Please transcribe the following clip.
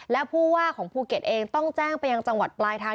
และผู้ว่าของภูเก็ตเองต้องแจ้งไปยังจังหวัดปลายทาง